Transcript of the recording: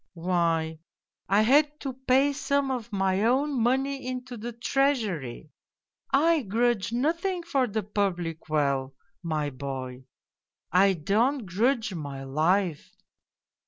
"' Why, I had to pay some of my own money into the Treasury. I grudge nothing for the public weal, my boy ! I don't grudge my life.